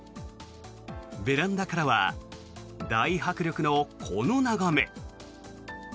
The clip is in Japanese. ベランダからは大迫力のこの眺め。